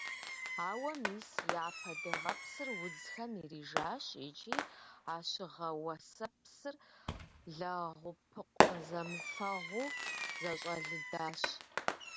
Ауэ мис япэ дыгъэпсыр удзхэм ирижащ икӀи а щыгъэ-уэсэпсыр лэгъупыкъу зэмыфэгъуу зэщӀэлыдащ.